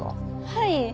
はい。